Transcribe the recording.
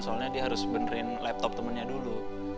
soalnya dia harus benerin laptop temennya dulu